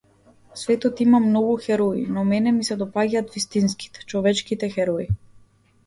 Светот има многу херои, но мене ми се допаѓаат вистинските, човечките херои.